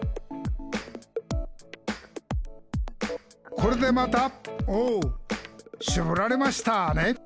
「これでまたおうしぼられましたね」